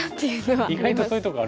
意外とそういうとこあるんですね。